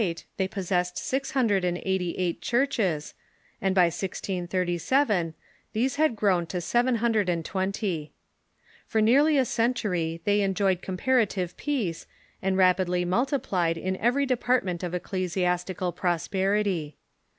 By the year 1628 they possessed six hundred and eighty eight churches, and by 1637 these had grown to seven hundred and twenty. For nearly a century they enjoyed comparative peace, and rapidly multiplied in every department of ecclesiastical prosperity.